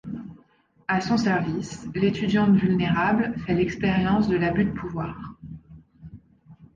À son service, l'étudiante vulnérable fait l'expérience de l'abus de pouvoir.